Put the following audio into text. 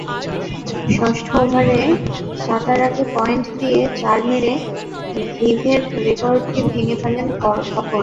ষষ্ঠ ওভারে চাতারাকে পয়েন্ট দিয়ে চার মেরে ভিভের রেকর্ডটি ভেঙে ফেলেন ফখর।